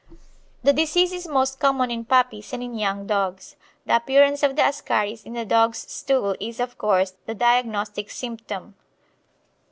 The disease is most common in puppies and in young dogs. The appearance of the ascaris in the dog's stools is, of course, the diagnostic symptom.